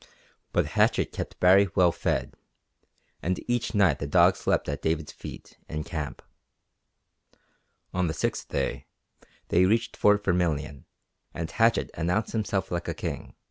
But Hatchett kept Baree well fed, and each night the dog slept at David's feet in camp. On the sixth day they reached Fort Vermilion, and Hatchett announced himself like a king.